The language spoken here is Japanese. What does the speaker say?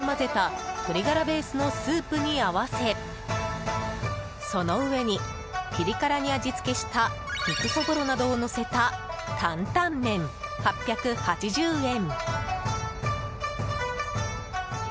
細麺を、お酢と自家製のラー油を混ぜた鶏ガラベースのスープに合わせその上にピリ辛に味付けした肉そぼろなどをのせたタンタン麺、８８０円。